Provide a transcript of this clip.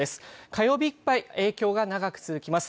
火曜日いっぱい影響が長く続きます。